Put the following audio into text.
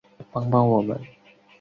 帮帮我们